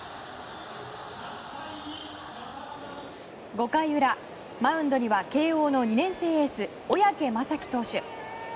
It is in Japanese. ５回裏、マウンドには慶応の２年生エース小宅雅己投手。